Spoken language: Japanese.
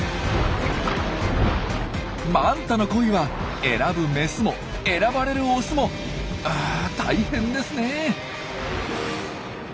マンタの恋は選ぶメスも選ばれるオスも大変ですね。